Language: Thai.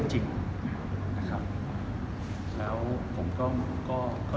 ไม่ได้ออกมาต้องโต้